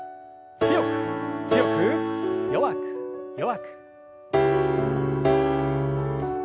強く強く弱く弱く。